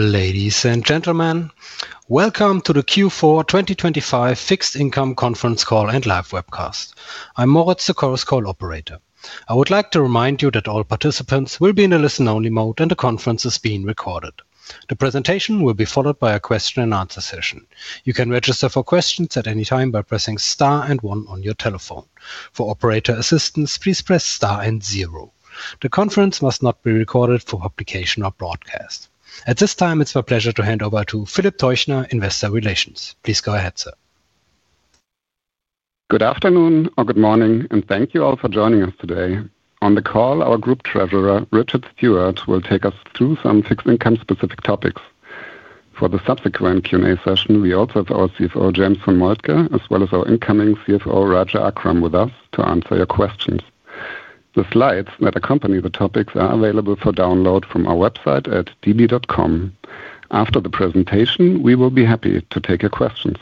Ladies and gentlemen, welcome to the Q4 2025 Fixed Income Conference Call and Live Webcast. I'm Moritz, the call operator. I would like to remind you that all participants will be in a listen-only mode, and the conference is being recorded. The presentation will be followed by a question and answer session. You can register for questions at any time by pressing star and one on your telephone. For operator assistance, please press star and zero. The conference must not be recorded for publication or broadcast. At this time, it's my pleasure to hand over to Philip Teuchner, Investor Relations. Please go ahead, sir. Good afternoon or good morning, and thank you all for joining us today. On the call, our Group Treasurer, Richard Stewart, will take us through some fixed income-specific topics. For the subsequent Q&A session, we also have our CFO, James von Moltke, as well as our incoming CFO, Raja Akram, with us to answer your questions. The slides that accompany the topics are available for download from our website at db.com. After the presentation, we will be happy to take your questions.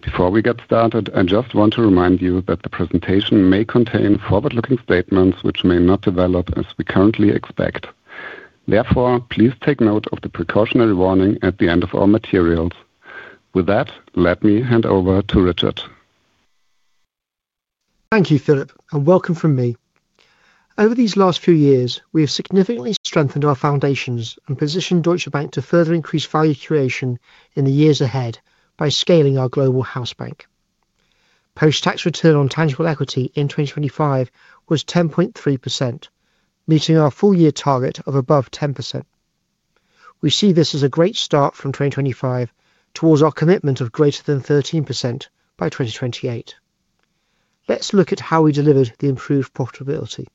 Before we get started, I just want to remind you that the presentation may contain forward-looking statements which may not develop as we currently expect. Therefore, please take note of the precautionary warning at the end of our materials. With that, let me hand over to Richard. Thank you, Philip, and welcome from me. Over these last few years, we have significantly strengthened our foundations and positioned Deutsche Bank to further increase value creation in the years ahead by scaling our Global Hausbank. Post-tax return on tangible equity in 2025 was 10.3%, meeting our full-year target of above 10%. We see this as a great start from 2025 towards our commitment of greater than 13% by 2028. Let's look at how we delivered the improved profitability.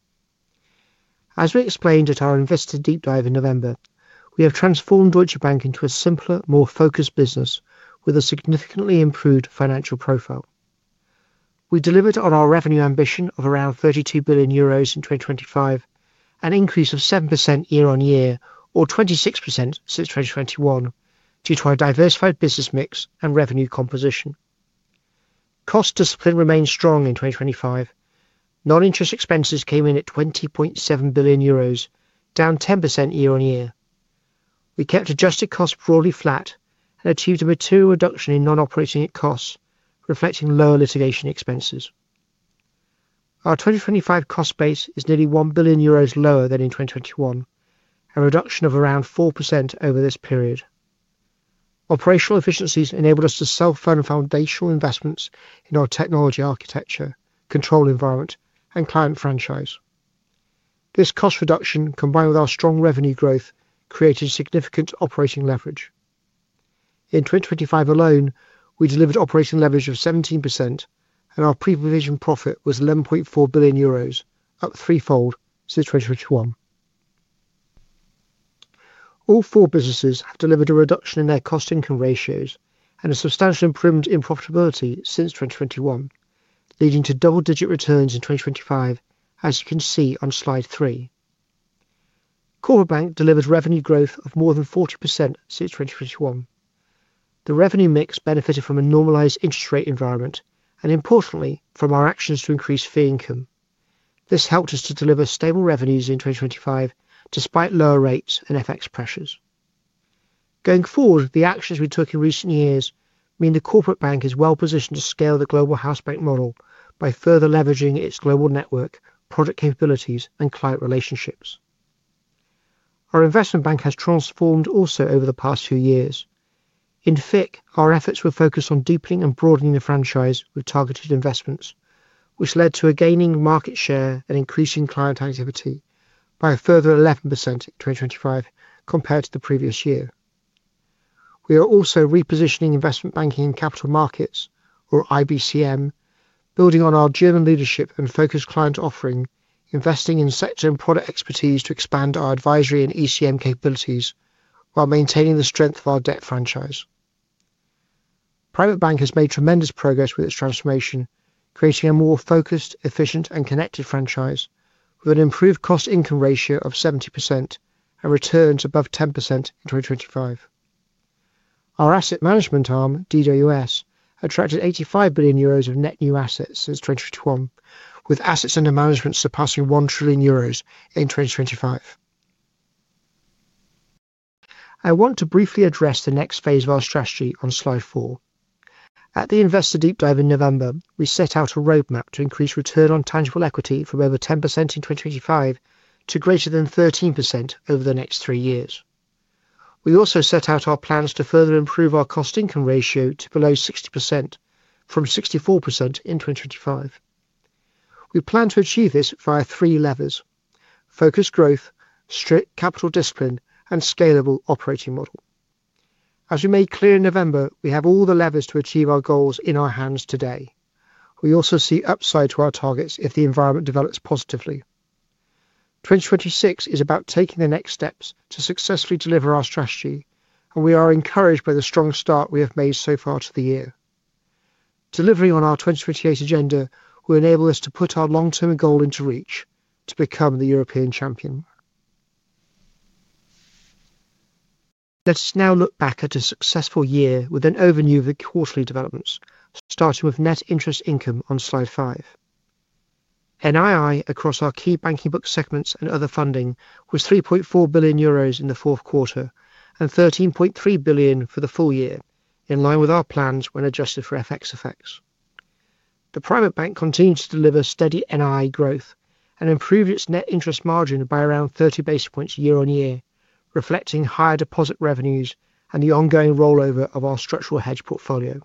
As we explained at our Investor Deep Dive in November, we have transformed Deutsche Bank into a simpler, more focused business with a significantly improved financial profile. We delivered on our revenue ambition of around 32 billion euros in 2025, an increase of 7% year-on-year or 26% since 2021, due to our diversified business mix and revenue composition. Cost discipline remained strong in 2025. Non-interest expenses came in at 20.7 billion euros, down 10% year-on-year. We kept adjusted costs broadly flat and achieved a material reduction in non-operating costs, reflecting lower litigation expenses. Our 2025 cost base is nearly 1 billion euros lower than in 2021, a reduction of around 4% over this period. Operational efficiencies enabled us to sell further foundational investments in our technology architecture, control environment, and client franchise. This cost reduction, combined with our strong revenue growth, created significant operating leverage. In 2025 alone, we delivered operating leverage of 17%, and our pre-provision profit was 11.4 billion euros, up threefold since 2021. All four businesses have delivered a reduction in their cost-income ratios and a substantial improvement in profitability since 2021, leading to double-digit returns in 2025, as you can see on slide three. Corporate Bank delivers revenue growth of more than 40% since 2021. The revenue mix benefited from a normalized interest rate environment and importantly, from our actions to increase fee income. This helped us to deliver stable revenues in 2025, despite lower rates and FX pressures. Going forward, the actions we took in recent years mean the corporate bank is well positioned to scale the global house bank model by further leveraging its global network, product capabilities, and client relationships. Our investment bank has transformed also over the past few years. In FIC, our efforts were focused on deepening and broadening the franchise with targeted investments, which led to a gaining market share and increasing client activity by a further 11% in 2025 compared to the previous year. We are also repositioning investment banking and capital markets, or IBCM, building on our German leadership and focused client offering, investing in sector and product expertise to expand our advisory and ECM capabilities while maintaining the strength of our debt franchise. Private Bank has made tremendous progress with its transformation, creating a more focused, efficient, and connected franchise with an improved cost-income ratio of 70% and returns above 10% in 2025. Our asset management arm, DWS, attracted 85 billion euros of net new assets since 2021, with assets under management surpassing 1 trillion euros in 2025. I want to briefly address the next phase of our strategy on slide four. At the Investor Deep Dive in November, we set out a roadmap to increase return on tangible equity from over 10% in 2025 to greater than 13% over the next three years. We also set out our plans to further improve our cost-income ratio to below 60% from 64% in 2025. We plan to achieve this via three levers: focused growth, strict capital discipline, and scalable operating model. As we made clear in November, we have all the levers to achieve our goals in our hands today. We also see upside to our targets if the environment develops positively. 2026 is about taking the next steps to successfully deliver our strategy, and we are encouraged by the strong start we have made so far to the year. Delivering on our 2028 agenda will enable us to put our long-term goal into reach to become the European champion. Let's now look back at a successful year with an overview of the quarterly developments, starting with net interest income on slide five. NII across our key banking book segments and other funding was 3.4 billion euros in the fourth quarter and 13.3 billion for the full year, in line with our plans when adjusted for FX effects. The private bank continued to deliver steady NII growth and improved its net interest margin by around 30 basis points year-on-year, reflecting higher deposit revenues and the ongoing rollover of our structural hedge portfolio.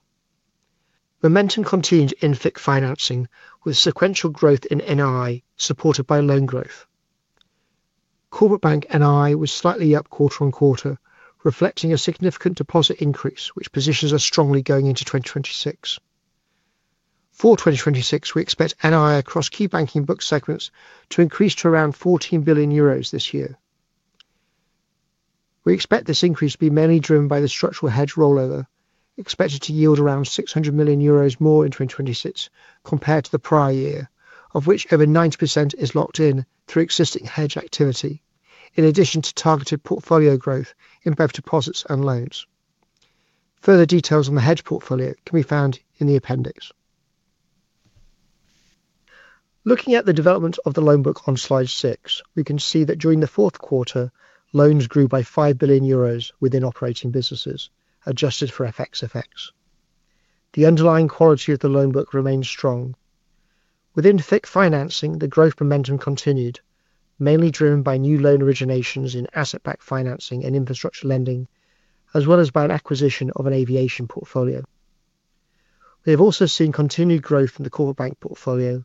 Momentum continued in FICC financing, with sequential growth in NII, supported by loan growth. Corporate Bank NII was slightly up quarter-on-quarter, reflecting a significant deposit increase, which positions us strongly going into 2026. For 2026, we expect NII across key banking book segments to increase to around 14 billion euros this year. We expect this increase to be mainly driven by the structural hedge rollover, expected to yield around 600 million euros more in 2026 compared to the prior year, of which over 90% is locked in through existing hedge activity, in addition to targeted portfolio growth in both deposits and loans. Further details on the hedge portfolio can be found in the appendix. Looking at the development of the loan book on slide six, we can see that during the fourth quarter, loans grew by 5 billion euros within operating businesses, adjusted for FX effects. The underlying quality of the loan book remains strong. Within FIC Financing, the growth momentum continued, mainly driven by new loan originations in asset-backed financing and infrastructure lending, as well as by an acquisition of an aviation portfolio. We have also seen continued growth in the corporate bank portfolio,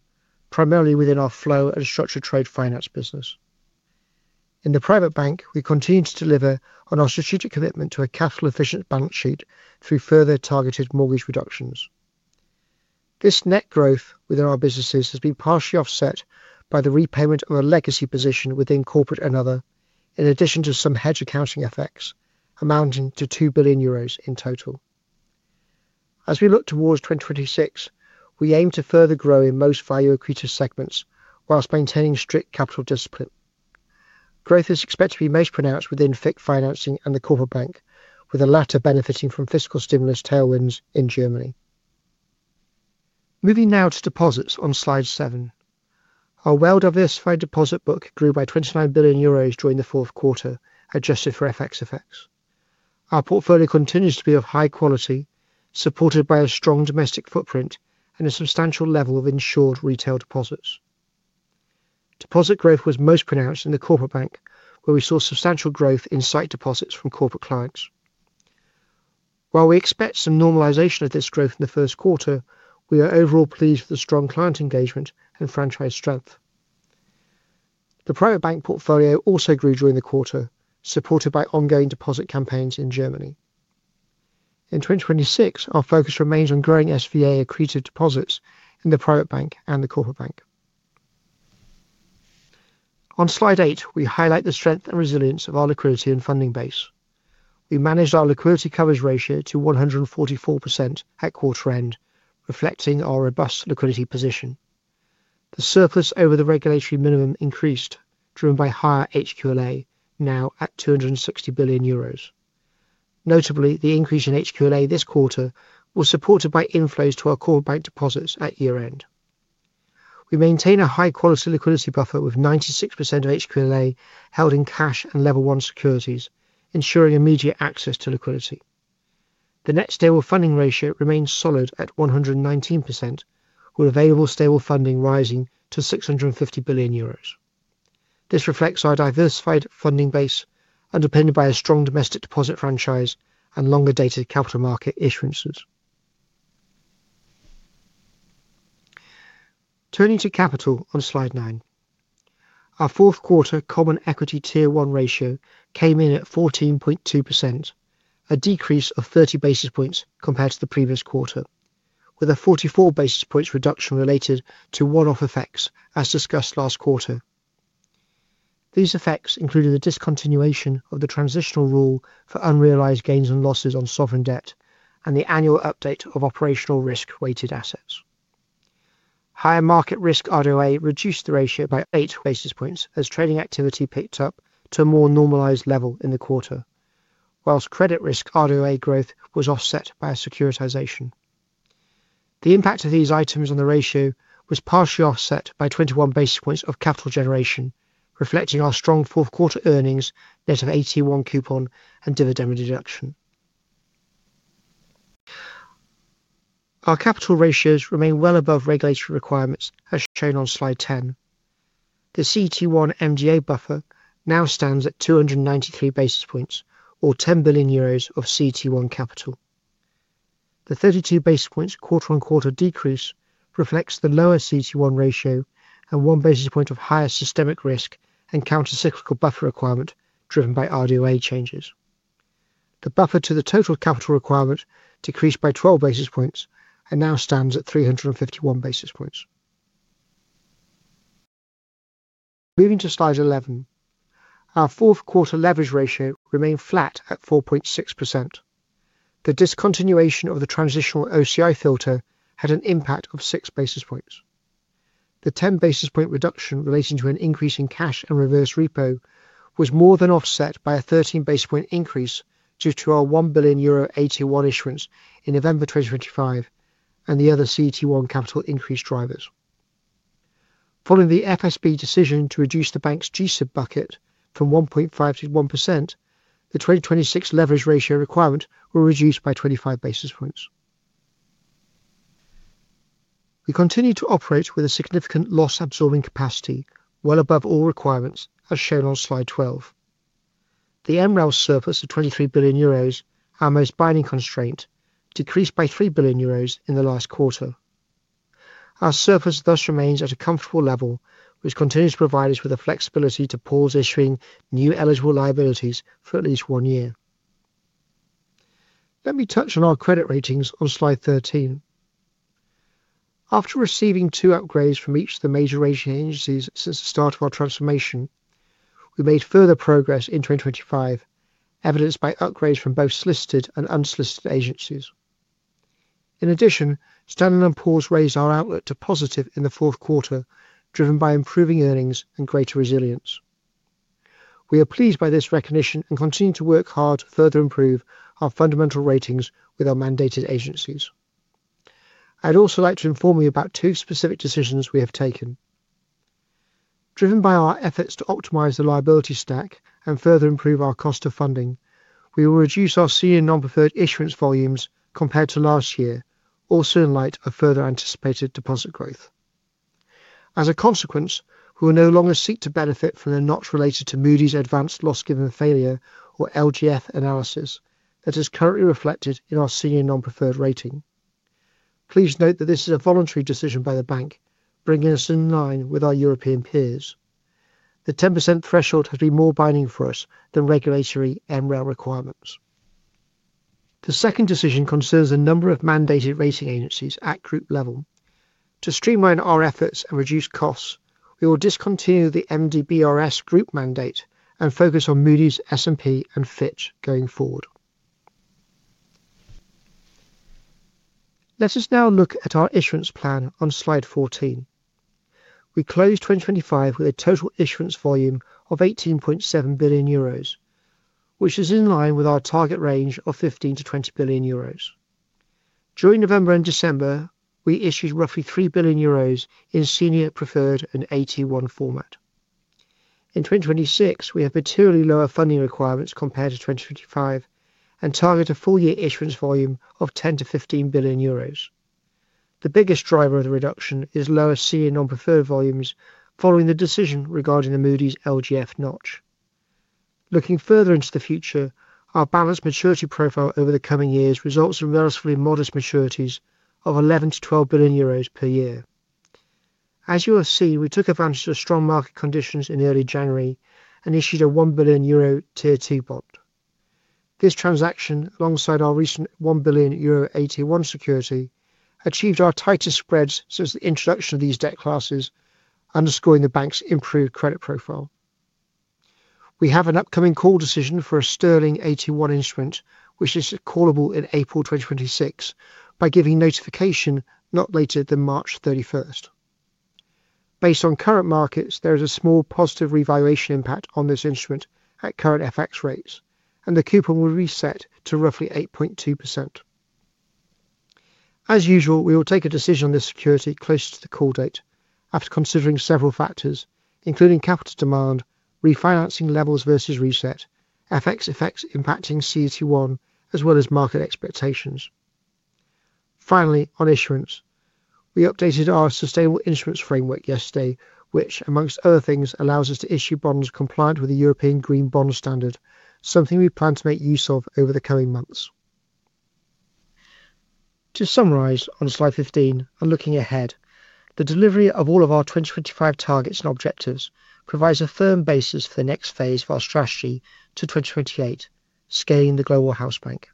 primarily within our flow and structured trade finance business. In the private bank, we continue to deliver on our strategic commitment to a capital-efficient balance sheet through further targeted mortgage reductions. This net growth within our businesses has been partially offset by the repayment of a legacy position within corporate and other, in addition to some hedge accounting effects amounting to 2 billion euros in total. As we look towards 2026, we aim to further grow in most value accretive segments while maintaining strict capital discipline. Growth is expected to be most pronounced within FICC financing and the Corporate Bank, with the latter benefiting from fiscal stimulus tailwinds in Germany. Moving now to deposits on slide seven. Our well-diversified deposit book grew by 29 billion euros during the fourth quarter, adjusted for FX effects. Our portfolio continues to be of high quality, supported by a strong domestic footprint and a substantial level of insured retail deposits. Deposit growth was most pronounced in the Corporate Bank, where we saw substantial growth in sight deposits from corporate clients. While we expect some normalization of this growth in the first quarter, we are overall pleased with the strong client engagement and franchise strength. The private bank portfolio also grew during the quarter, supported by ongoing deposit campaigns in Germany. In 2026, our focus remains on growing SVA accretive deposits in the private bank and the corporate bank. On slide eight, we highlight the strength and resilience of our liquidity and funding base. We managed our liquidity coverage ratio to 144% at quarter end, reflecting our robust liquidity position. The surplus over the regulatory minimum increased, driven by higher HQLA, now at 260 billion euros. Notably, the increase in HQLA this quarter was supported by inflows to our core bank deposits at year-end. We maintain a high-quality liquidity buffer, with 96% of HQLA held in cash and level one securities, ensuring immediate access to liquidity. The net stable funding ratio remains solid at 119%, with available stable funding rising to 650 billion euros. This reflects our diversified funding base, underpinned by a strong domestic deposit franchise and longer-dated capital market issuances. Turning to capital on slide nine. Our fourth quarter common equity tier one ratio came in at 14.2%, a decrease of 30 basis points compared to the previous quarter, with a 44 basis points reduction related to one-off effects, as discussed last quarter. These effects included the discontinuation of the transitional rule for unrealized gains and losses on sovereign debt and the annual update of operational risk weighted assets. Higher market risk RWA reduced the ratio by eight basis points as trading activity picked up to a more normalized level in the quarter, whilst credit risk RWA growth was offset by a securitization. The impact of these items on the ratio was partially offset by 21 basis points of capital generation, reflecting our strong fourth quarter earnings net of AT1 coupon and dividend deduction. Our capital ratios remain well above regulatory requirements, as shown on slide 10. The CET1 MGA buffer now stands at 293 basis points or 10 billion euros of CET1 capital. The 32 basis points quarter-on-quarter decrease reflects the lower CET1 ratio and one basis point of higher systemic risk and countercyclical buffer requirement driven by RWA changes. The buffer to the total capital requirement decreased by 12 basis points and now stands at 351 basis points. Moving to slide 11. Our fourth quarter leverage ratio remained flat at 4.6%. The discontinuation of the transitional OCI filter had an impact of six basis points. The 10 basis point reduction relating to an increase in cash and reverse repo was more than offset by a 13 basis point increase due to our 1 billion euro AT1 issuance in November 2025, and the other CET1 capital increase drivers. Following the FSB decision to reduce the bank's G-SIB bucket from 1.5 to 1%, the 2026 leverage ratio requirement were reduced by 25 basis points. We continue to operate with a significant loss-absorbing capacity, well above all requirements, as shown on slide 12. The MREL surplus of 23 billion euros, our most binding constraint, decreased by 3 billion euros in the last quarter. Our surplus thus remains at a comfortable level, which continues to provide us with the flexibility to pause issuing new eligible liabilities for at least one year. Let me touch on our credit ratings on slide 13. After receiving two upgrades from each of the major rating agencies since the start of our transformation, we made further progress in 2025, evidenced by upgrades from both solicited and unsolicited agencies. In addition, Standard & Poor's raised our outlook to positive in the fourth quarter, driven by improving earnings and greater resilience. We are pleased by this recognition and continue to work hard to further improve our fundamental ratings with our mandated agencies. I'd also like to inform you about two specific decisions we have taken. Driven by our efforts to optimize the liability stack and further improve our cost of funding, we will reduce our Senior Non-Preferred issuance volumes compared to last year, also in light of further anticipated deposit growth. As a consequence, we will no longer seek to benefit from the notch related to Moody's Advanced Loss Given Failure, or LGF analysis, that is currently reflected in our senior non-preferred rating. Please note that this is a voluntary decision by the bank, bringing us in line with our European peers. The 10% threshold has been more binding for us than regulatory MREL requirements. The second decision concerns a number of mandated rating agencies at group level. To streamline our efforts and reduce costs, we will discontinue the MDBRS group mandate and focus on Moody's, S&P, and Fitch going forward. Let us now look at our issuance plan on slide 14. We closed 2025 with a total issuance volume of 18.7 billion euros, which is in line with our target range of 15 billion-20 billion euros. During November and December, we issued roughly 3 billion euros in senior preferred and AT1 format. In 2026, we have materially lower funding requirements compared to 2025 and target a full-year issuance volume of 10 billion-15 billion euros. The biggest driver of the reduction is lower senior non-preferred volumes following the decision regarding the Moody's LGF notch. Looking further into the future, our balanced maturity profile over the coming years results in relatively modest maturities of 11 billion-12 billion euros per year. As you will see, we took advantage of strong market conditions in early January and issued a 1 billion euro Tier 2 bond. This transaction, alongside our recent 1 billion euro AT1 security, achieved our tightest spreads since the introduction of these debt classes, underscoring the bank's improved credit profile. We have an upcoming call decision for a sterling AT1 instrument, which is callable in April 2026, by giving notification not later than March 31. Based on current markets, there is a small positive revaluation impact on this instrument at current FX rates, and the coupon will reset to roughly 8.2%. As usual, we will take a decision on this security closer to the call date after considering several factors, including capital demand, refinancing levels versus reset, FX effects impacting CET1, as well as market expectations. Finally, on issuance, we updated our sustainable instruments framework yesterday, which, among other things, allows us to issue bonds compliant with the European Green Bond Standard, something we plan to make use of over the coming months. To summarize on slide 15 and looking ahead, the delivery of all of our 2025 targets and objectives provides a firm basis for the next phase of our strategy to 2028, scaling the global house bank.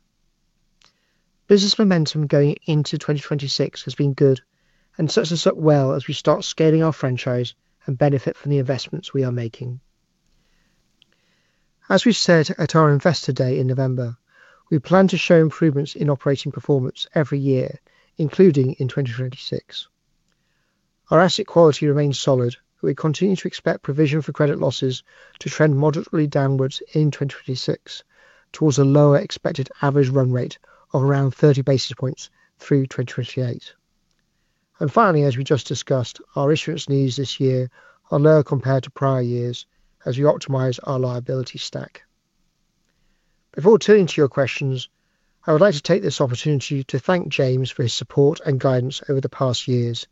Business momentum going into 2026 has been good and sets us up well as we start scaling our franchise and benefit from the investments we are making. As we said at our Investor Day in November, we plan to show improvements in operating performance every year, including in 2026. Our asset quality remains solid, but we continue to expect provision for credit losses to trend moderately downwards in 2026 towards a lower expected average run rate of around 30 basis points through 2028. Finally, as we just discussed, our issuance needs this year are lower compared to prior years as we optimize our liability stack. Before turning to your questions, I would like to take this opportunity to thank James for his support and guidance over the past years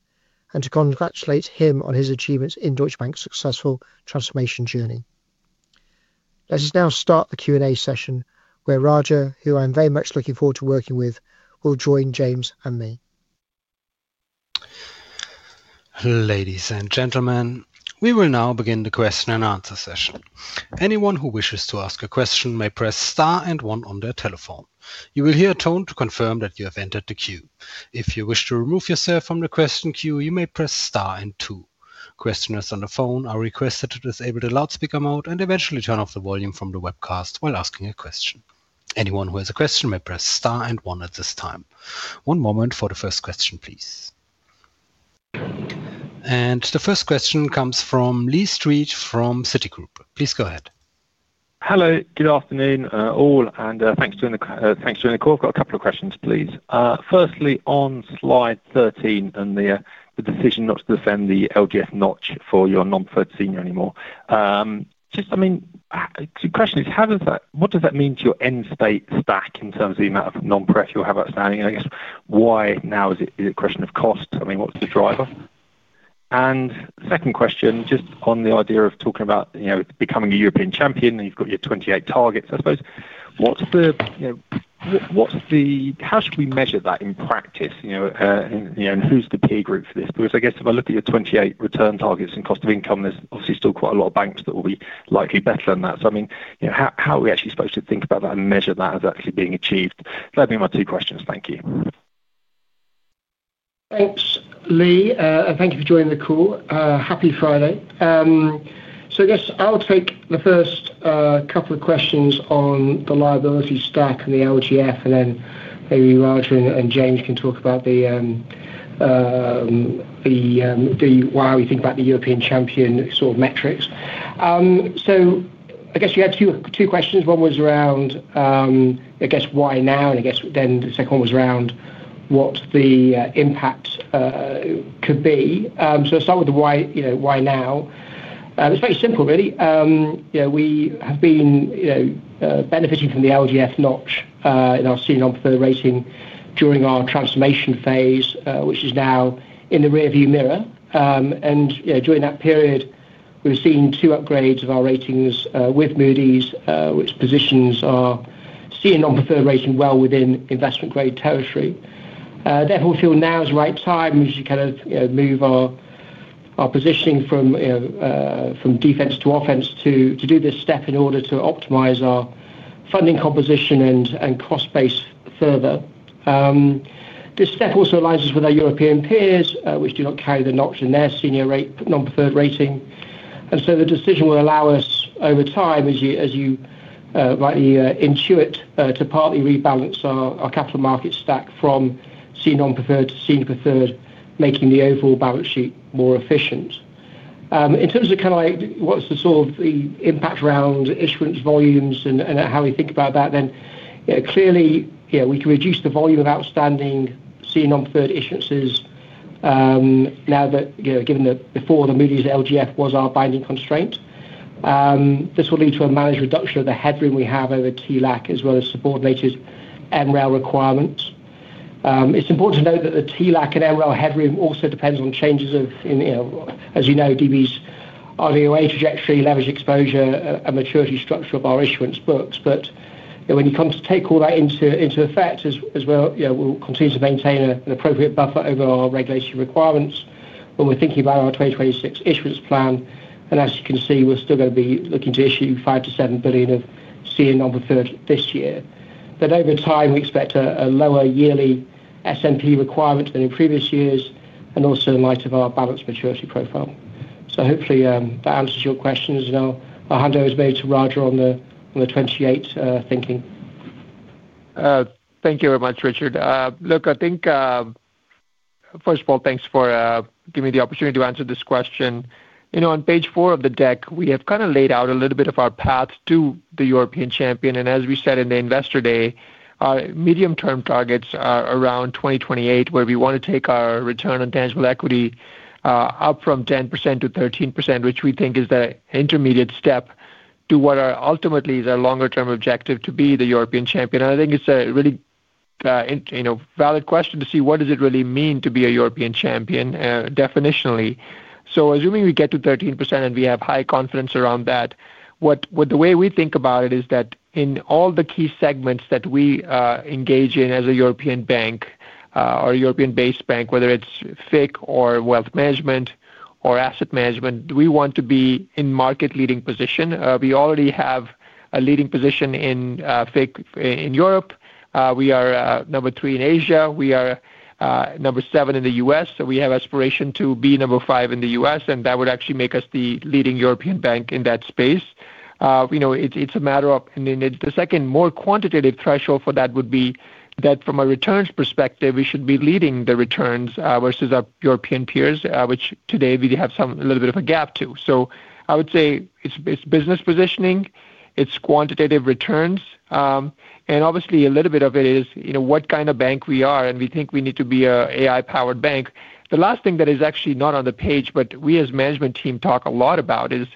and to congratulate him on his achievements in Deutsche Bank's successful transformation journey. Let us now start the Q&A session, where Raja, who I'm very much looking forward to working with, will join James and me. Ladies and gentlemen, we will now begin the question and answer session. Anyone who wishes to ask a question may press star and one on their telephone. You will hear a tone to confirm that you have entered the queue. If you wish to remove yourself from the question queue, you may press star and two. Questioners on the phone are requested to disable the loudspeaker mode and eventually turn off the volume from the webcast while asking a question. Anyone who has a question may press star and one at this time. One moment for the first question, please. The first question comes from Lee Street, from Citigroup. Please go ahead. Hello. Good afternoon, all, and thanks for joining the call. I've got a couple of questions, please. Firstly, on slide 13 and the decision not to defend the LGF notch for your senior non-preferred anymore. Just, I mean, the question is, how does that, what does that mean to your end state stack in terms of the amount of non-preferred you have outstanding? And I guess, why now? Is it a question of cost? I mean, what's the driver? And second question, just on the idea of talking about, you know, becoming a European champion, and you've got your 28 targets, I suppose. What's the, you know, what, what's the. How should we measure that in practice? You know, and who's the peer group for this? Because I guess if I look at your 2028 return targets and cost of income, there's obviously still quite a lot of banks that will be likely better than that. So I mean, you know, how are we actually supposed to think about that and measure that as actually being achieved? That'd be my two questions. Thank you. Thanks, Lee, and thank you for joining the call. Happy Friday. So I guess I'll take the first couple of questions on the liability stack and the LGF, and then maybe Raja and James can talk about the way you think about the European champion sort of metrics. So I guess you had two questions. One was around, I guess, why now? And I guess then the second one was around what the impact could be. So I'll start with the why, you know, why now? It's very simple, really. You know, we have been benefiting from the LGF notch in our Senior Non-Preferred rating during our transformation phase, which is now in the rearview mirror. And, you know, during that period, we've seen two upgrades of our ratings with Moody's, which positions our senior non-preferred rating well within investment-grade territory. Therefore, feel now is the right time, we should kind of, you know, move our, our positioning from, you know, from defense to offense to do this step in order to optimize our funding composition and, and cost base further. This step also aligns us with our European peers, which do not carry the notch in their senior non-preferred rating. And so the decision will allow us over time, as you, as you rightly intuit, to partly rebalance our, our capital market stack from senior non-preferred to senior preferred, making the overall balance sheet more efficient. In terms of kind of like, what's the sort of the impact around issuance volumes and how we think about that, then, you know, clearly, you know, we can reduce the volume of outstanding senior non-preferred issuances, now that. You know, given that before the Moody's LGF was our binding constraint, this will lead to a managed reduction of the headroom we have over TLAC, as well as subordinated MREL requirements. It's important to note that the TLAC and MREL headroom also depends on changes in, you know, as you know, DB's RWA trajectory, leverage exposure, and maturity structure of our issuance books. But, you know, when it comes to take all that into, into effect as well, you know, we'll continue to maintain an appropriate buffer over our regulatory requirements when we're thinking about our 2026 issuance plan. As you can see, we're still gonna be looking to issue 5-7 billion of senior non-preferred this year. Over time, we expect a lower yearly S&P requirement than in previous years and also in light of our balanced maturity profile. Hopefully, that answers your questions, and I'll hand over maybe to Raja on the, on the 28, thinking. Thank you very much, Richard. Look, I think. First of all, thanks for giving me the opportunity to answer this question. You know, on page four of the deck, we have kind of laid out a little bit of our path to the European champion, and as we said in the Investor Day, our medium-term targets are around 2028, where we want to take our return on tangible equity up from 10% to 13%, which we think is the intermediate step to what are ultimately the longer-term objective to be the European champion. And I think it's a really, you know, valid question to see what does it really mean to be a European champion, definitionally. So assuming we get to 13% and we have high confidence around that, what the way we think about it is that in all the key segments that we engage in as a European bank or a European-based bank, whether it's FIC or wealth management or asset management, we want to be in market leading position. We already have a leading position in FIC in Europe. We are number three in Asia. We are number seven in the U.S., so we have aspiration to be number five in the U.S., and that would actually make us the leading European bank in that space. You know, it's, it's a matter of. And then the second more quantitative threshold for that would be that from a returns perspective, we should be leading the returns versus our European peers, which today we have some a little bit of a gap to. So I would say it's business positioning, it's quantitative returns, and obviously a little bit of it is, you know, what kind of bank we are, and we think we need to be a AI-powered bank. The last thing that is actually not on the page, but we as management team talk a lot about, is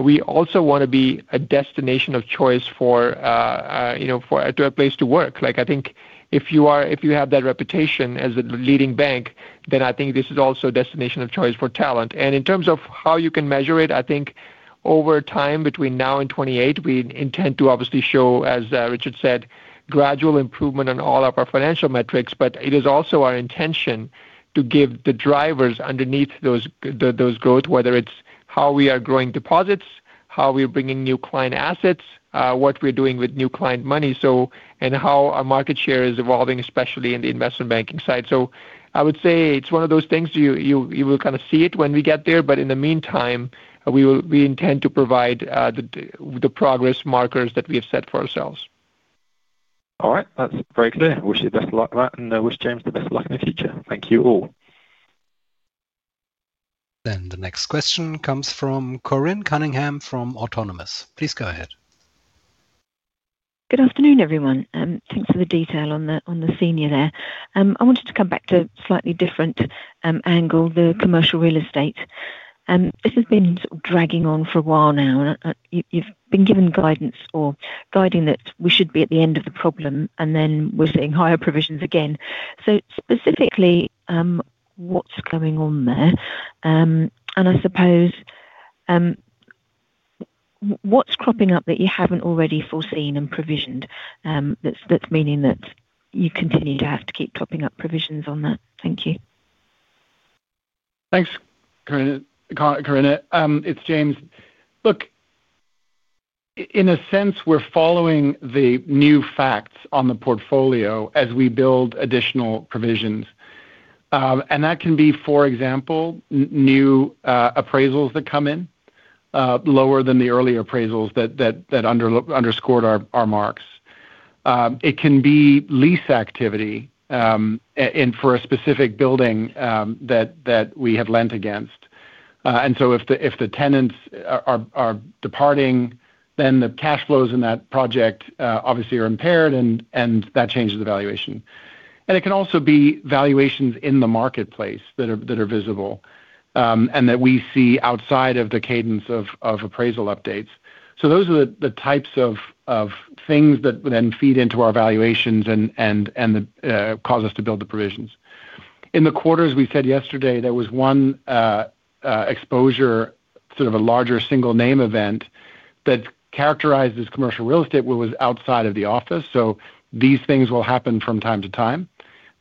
we also want to be a destination of choice for, you know, for, to a place to work. Like, I think if you are - if you have that reputation as a leading bank, then I think this is also a destination of choice for talent. And in terms of how you can measure it, I think over time, between now and 2028, we intend to obviously show, as Richard said, gradual improvement on all of our financial metrics. But it is also our intention to give the drivers underneath those growth, whether it's how we are growing deposits, how we are bringing new client assets, what we're doing with new client money, so, and how our market share is evolving, especially in the investment banking side. So I would say it's one of those things you will kind of see it when we get there, but in the meantime, we intend to provide the progress markers that we have set for ourselves. All right, that's very clear. Wish you the best of luck with that, and wish James the best of luck in the future. Thank you all. Then the next question comes from Corinne Cunningham from Autonomous. Please go ahead. Good afternoon, everyone, and thanks for the detail on the, on the senior there. I wanted to come back to a slightly different angle, the commercial real estate. This has been sort of dragging on for a while now, and you've been given guidance or guiding that we should be at the end of the problem, and then we're seeing higher provisions again. So specifically, what's going on there? And I suppose, what's cropping up that you haven't already foreseen and provisioned, that's, that's meaning that you continue to have to keep propping up provisions on that? Thank you. Thanks, Corinne. It's James. Look, in a sense, we're following the new facts on the portfolio as we build additional provisions. And that can be, for example, new appraisals that come in lower than the earlier appraisals that underscored our marks. It can be lease activity and for a specific building that we have lent against. And so if the tenants are departing, then the cash flows in that project obviously are impaired, and that changes the valuation. And it can also be valuations in the marketplace that are visible and that we see outside of the cadence of appraisal updates. So those are the types of things that then feed into our valuations and the cause us to build the provisions. In the quarters, we said yesterday, there was one exposure, sort of a larger single name event, that characterized as commercial real estate was outside of the office. So these things will happen from time to time.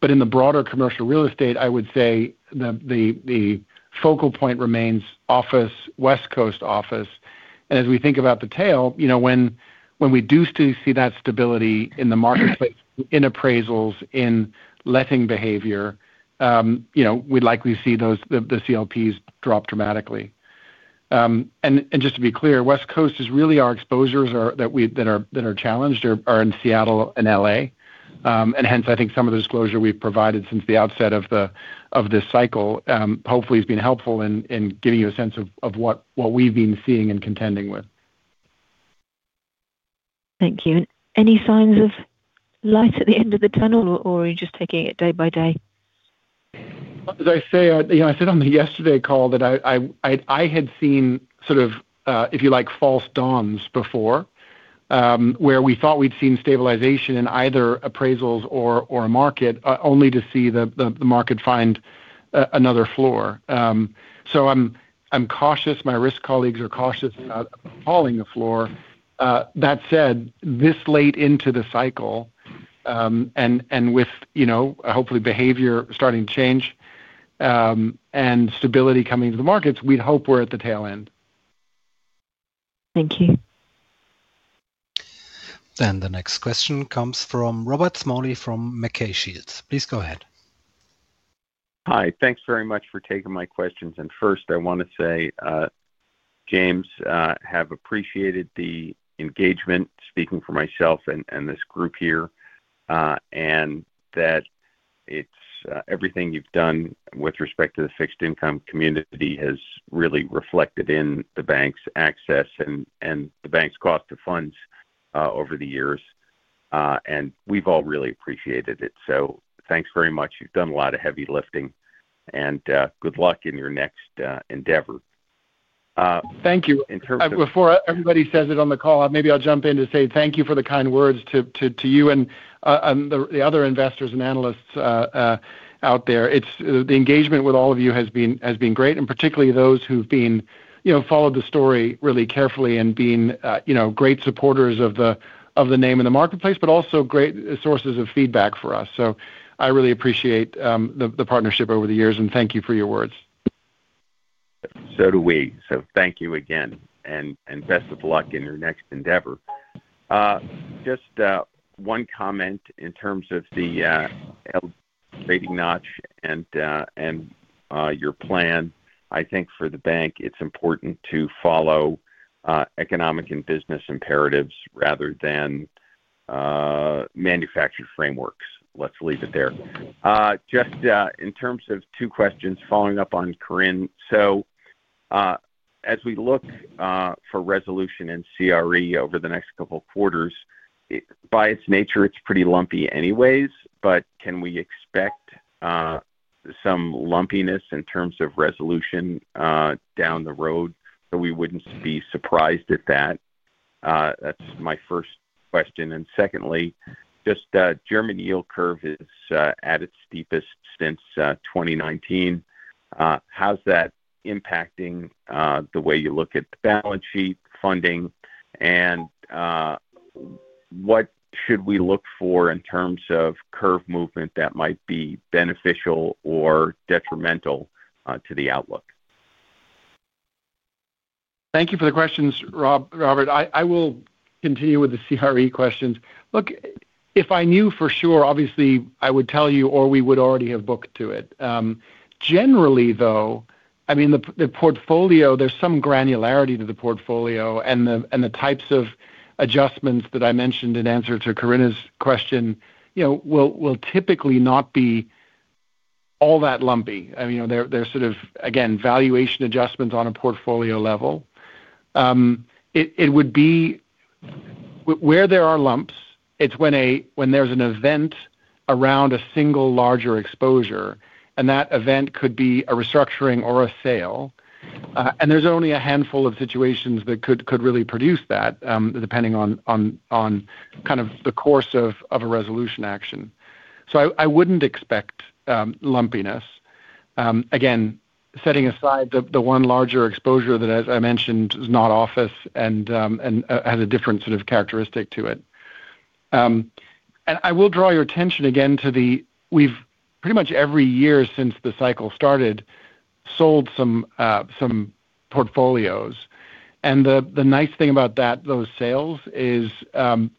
But in the broader commercial real estate, I would say the focal point remains office, West Coast office. And as we think about the tail, you know, when we do see that stability in the marketplace, in appraisals, in letting behavior, you know, we'd likely see those CLPs drop dramatically. And just to be clear, West Coast is really our exposures that are challenged are in Seattle and LA. And hence, I think some of the disclosure we've provided since the outset of this cycle, hopefully has been helpful in giving you a sense of what we've been seeing and contending with. Thank you. Any signs of light at the end of the tunnel, or are you just taking it day by day? As I say, you know, I said on the yesterday call that I had seen sort of, if you like, false dawns before, where we thought we'd seen stabilization in either appraisals or a market, only to see the market find another floor. So I'm cautious. My risk colleagues are cautious about calling the floor. That said, this late into the cycle, and with, you know, hopefully behavior starting to change, and stability coming to the markets, we'd hope we're at the tail end. Thank you. The next question comes from Robert Smalley from MacKay Shields. Please go ahead. Hi. Thanks very much for taking my questions. And first, I wanna say, James, have appreciated the engagement, speaking for myself and, and this group here, and that it's, everything you've done with respect to the fixed income community has really reflected in the bank's access and, and the bank's cost of funds, over the years, and we've all really appreciated it. So thanks very much. You've done a lot of heavy lifting, and, good luck in your next, endeavor. Thank you. In terms of- Before everybody says it on the call, maybe I'll jump in to say thank you for the kind words to you and the other investors and analysts out there. It's the engagement with all of you has been great, and particularly those who've been, you know, followed the story really carefully and been, you know, great supporters of the name in the marketplace, but also great sources of feedback for us. So I really appreciate the partnership over the years, and thank you for your words. So do we. So thank you again, and, and best of luck in your next endeavor. Just, one comment in terms of the, rating notch and, and, your plan. I think for the bank, it's important to follow, economic and business imperatives rather than, manufactured frameworks. Let's leave it there. Just, in terms of two questions following up on Corinne. So, as we look, for resolution in CRE over the next couple of quarters, it—by its nature, it's pretty lumpy anyways, but can we expect, some lumpiness in terms of resolution, down the road, so we wouldn't be surprised at that? That's my first question. And secondly, just, German yield curve is, at its steepest since, 2019. How's that impacting, the way you look at the balance sheet funding? What should we look for in terms of curve movement that might be beneficial or detrimental to the outlook? Thank you for the questions, Rob Robert. I will continue with the CRE questions. Look, if I knew for sure, obviously, I would tell you, or we would already have booked to it. Generally, I mean, the portfolio, there's some granularity to the portfolio and the types of adjustments that I mentioned in answer to Corinne's question, you know, will typically not be all that lumpy. I mean, you know, they're sort of, again, valuation adjustments on a portfolio level. It would be where there are lumps, it's when there's an event around a single larger exposure, and that event could be a restructuring or a sale. And there's only a handful of situations that could really produce that, depending on kind of the course of a resolution action. So I wouldn't expect lumpiness. Again, setting aside the one larger exposure that, as I mentioned, is not office and has a different sort of characteristic to it. And I will draw your attention again to the we've pretty much every year since the cycle started, sold some portfolios. And the nice thing about that, those sales, is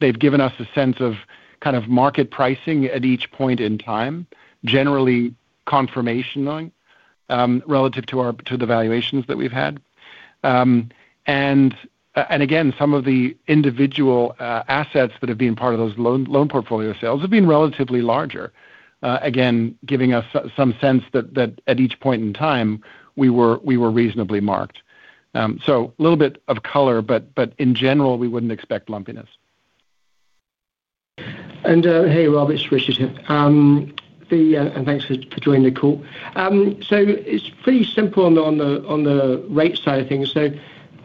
they've given us a sense of kind of market pricing at each point in time, generally confirming relative to our to the valuations that we've had. And again, some of the individual assets that have been part of those loan portfolio sales have been relatively larger. Again, giving us some sense that at each point in time, we were reasonably marked. So, a little bit of color, but in general, we wouldn't expect lumpiness. Hey, Rob, it's Richard here. And thanks for joining the call. So it's pretty simple on the rate side of things. So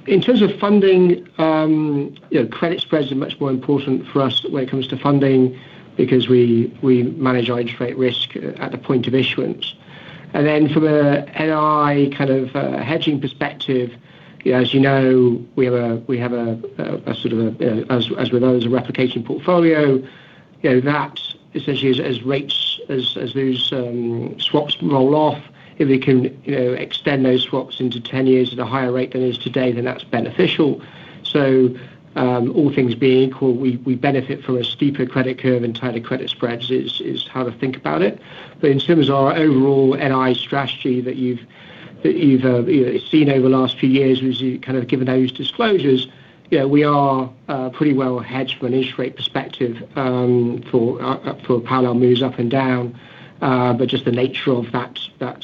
in terms of funding, you know, credit spreads are much more important for us when it comes to funding because we manage our interest rate risk at the point of issuance. And then from a NI kind of hedging perspective, as you know, we have a sort of a replication portfolio as with those. You know, that essentially as rates, those swaps roll off, if we can, you know, extend those swaps into 10 years at a higher rate than it is today, then that's beneficial. So, all things being equal, we benefit from a steeper credit curve and tighter credit spreads is how to think about it. But in terms of our overall NI strategy that you've seen over the last few years, as you kind of given those disclosures, yeah, we are pretty well hedged from an interest rate perspective, for parallel moves up and down. But just the nature of that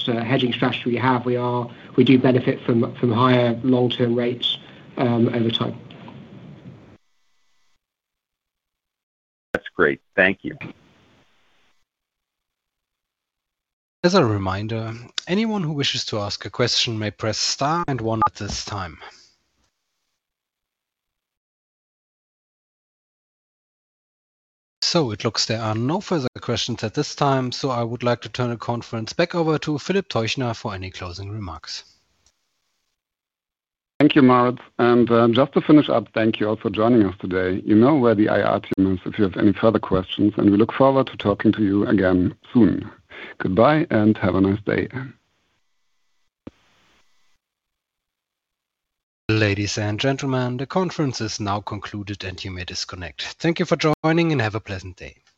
hedging strategy we have, we do benefit from higher long-term rates over time. That's great. Thank you. As a reminder, anyone who wishes to ask a question may press star and one at this time. So it looks there are no further questions at this time, so I would like to turn the conference back over to Philip Teuchner for any closing remarks. Thank you, Moritz, and just to finish up, thank you all for joining us today. You know where the IR team is if you have any further questions, and we look forward to talking to you again soon. Goodbye, and have a nice day. Ladies and gentlemen, the conference is now concluded, and you may disconnect. Thank you for joining, and have a pleasant day. Goodbye.